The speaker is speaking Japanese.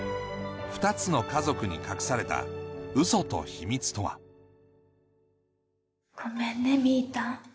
２つの家族に隠された嘘と秘密とはごめんねみぃたん。